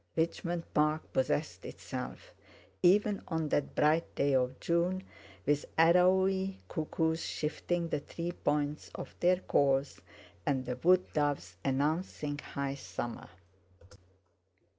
Richmond Park possessed itself, even on that bright day of June, with arrowy cuckoos shifting the tree points of their calls, and the wood doves announcing high summer.